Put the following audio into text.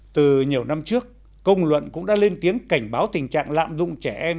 từ nhiều năm trước công luận cũng đã lên tiếng cảnh báo tình trạng lạm dụng trẻ em